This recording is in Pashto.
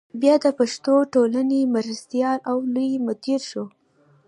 بیا د پښتو ټولنې مرستیال او لوی مدیر شو.